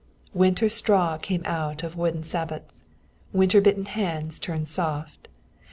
Winter straw came out of wooden sabots. Winter bitten hands turned soft.